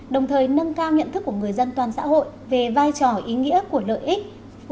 đồng thời nâng cao nhận thức của người dân toàn xã hội về vai trò ý nghĩa của lợi ích